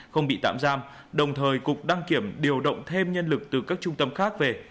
không bị tạm giam đồng thời cục đăng kiểm điều động thêm nhân lực từ các trung tâm khác về